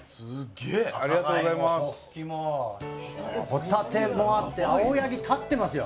ホタテもあって青柳立ってますよ。